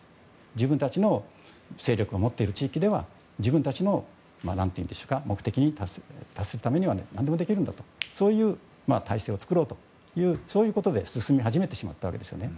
自分たちの勢力を持っている地域では自分たちの目的に達するためには何でもできるんだとそういう体制を作ろうというそういうことで進み始めてしまったわけですよね。